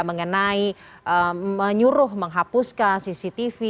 mengenai menyuruh menghapuskan cctv